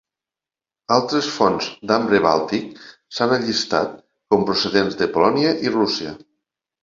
Altres fonts d'ambre bàltic s'han allistat com procedents de Polònia i Rússia.